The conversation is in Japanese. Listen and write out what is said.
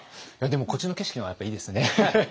でもこっちの景色の方がやっぱいいですね。